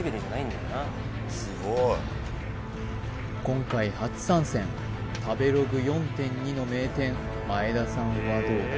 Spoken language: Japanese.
今回初参戦食べログ４．２の名店前田さんはどうだ？